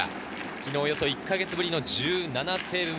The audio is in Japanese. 昨日およそ１か月ぶりの１７セーブ目。